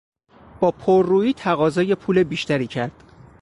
با پر رویی تقاضای پول بیشتری کرد.